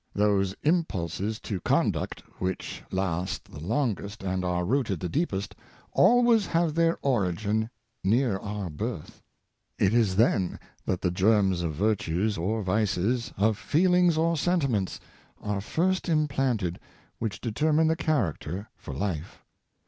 Those impulses to conduct which last the longest and are rooted the deepest, always have their origin near our birth. It is then that the germs of virtues or vices, of feelings or sentiments, are first implanted which de termine the character for life.